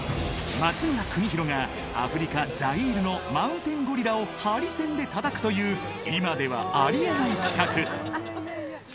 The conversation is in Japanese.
松村邦洋がアフリカ・ザイールのマウンテンゴリラをハリセンでたたくという、今ではありえない企画。